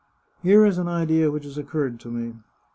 " Here is an idea which has occurred to me.